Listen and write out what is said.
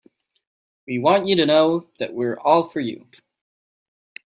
We want you to know that we're all for you.